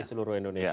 di seluruh indonesia